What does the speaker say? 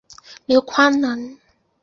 刘宽人。